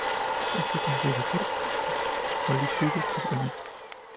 Está constituida por fosfolípidos principalmente.